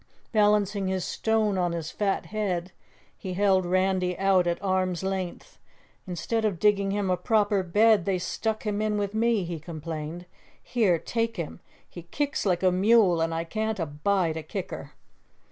Balancing his stone on his fat head, he held Randy out at arm's length. "Instead of digging him a proper bed, they stuck him in with me," he complained. "Here, take him he kicks like a mule and I can't abide a kicker."